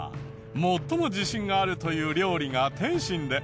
最も自信があるという料理が点心で。